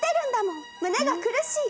「胸が苦しい。